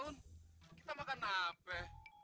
setah kita makan apa